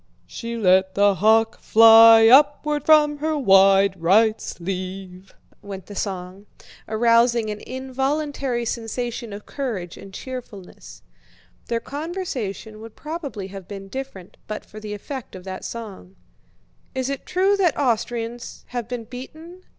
"She let the hawk fly upward from her wide right sleeve," went the song, arousing an involuntary sensation of courage and cheerfulness. Their conversation would probably have been different but for the effect of that song. "Is it true that Austrians have been beaten?"